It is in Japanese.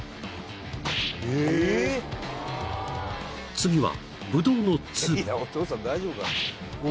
［次は］